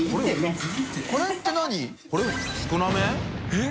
えっ？